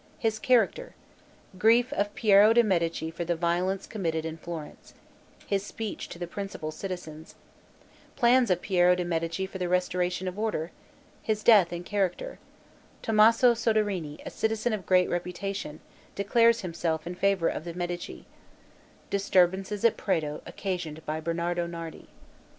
His character Grief of Piero de' Medici for the violence committed in Florence His speech to the principal citizens Plans of Piero de' Medici for the restoration of order His death and character Tommaso Soderini, a citizen of great reputation, declares himself in favor of the Medici Disturbances at Prato occasioned by Bernardo Nardi.